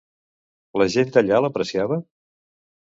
La gent d'allà l'apreciava?